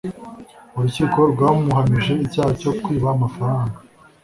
Urukiko rwamuhamije icyaha cyo kwiba amafaranga.